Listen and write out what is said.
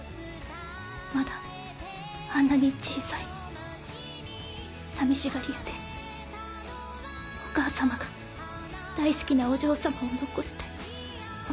まだあんなに小さい寂しがり屋でお母様が大好きなお嬢様を残して。